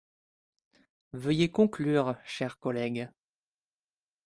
Veuillez conclure, cher collègue.